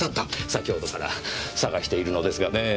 先ほどから探しているのですがねぇ。